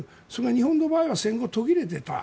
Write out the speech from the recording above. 日本の場合は戦後途切れていた。